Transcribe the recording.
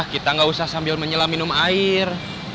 kita nggak usah sambil menyelam minum air